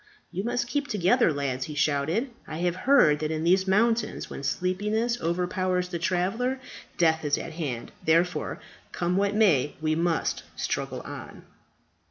"You must keep together, lads," he shouted. "I have heard that in these mountains when sleepiness overpowers the traveller, death is at hand. Therefore, come what may, we must struggle on."